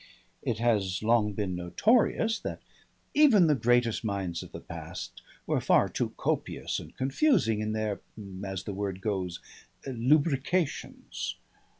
It has long been notorious that even the greatest minds of the past were far too copious and confusing in their as the word goes lubrications.